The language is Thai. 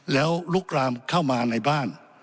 แล้วลุกรามเข้ามาในบ้าน